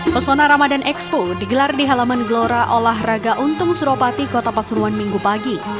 pesona ramadan expo digelar di halaman gelora olahraga untung suropati kota pasuruan minggu pagi